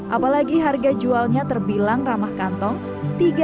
apalagi harga jualnya terbilang ramah kantong